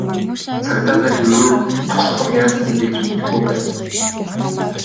Цагдаа нар Ерөөг чухам яасныг хэлж мэдэхгүй байна.